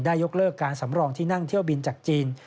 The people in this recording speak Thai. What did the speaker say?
ยกเลิกการสำรองที่นั่งเที่ยวบินจากจีน